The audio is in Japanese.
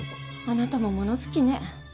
あなたも物好きね。